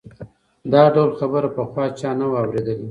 دا ډول خبره پخوا چا نه وه اورېدلې.